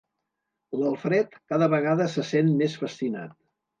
L'Alfred cada vegada se sent més fascinat.